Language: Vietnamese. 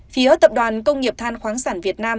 phía tập đoàn công nghiệp than khoáng sản việt nam